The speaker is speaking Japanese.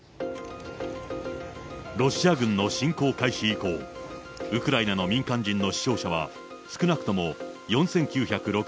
ロシア軍の侵攻開始以降、ウクライナの民間人の死傷者は、少なくとも４９６６人。